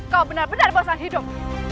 kau benar benar bosan hidup